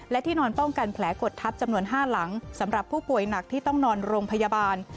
และที่นอนป้องกันแผลกดทับจำนวน๕หลังสำหรับผู้ป่วยหนักที่ต้องนอนโรงพยาบาล